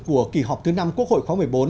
của kỳ họp thứ năm quốc hội khóa một mươi bốn